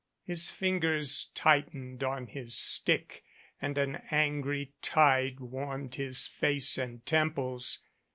His fingers tightened on his stick, and an angry tide warmed his face and temples.